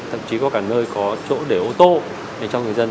thậm chí có cả nơi có chỗ để ô tô cho người dân